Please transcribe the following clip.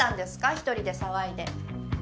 １人で騒いで。